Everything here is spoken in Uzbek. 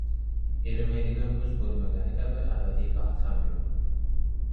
Erimaydigan muz bo‘lmagani kabi abadiy baxt ham yo‘q.